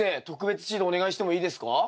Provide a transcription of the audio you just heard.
特別指導お願いしてもいいですか？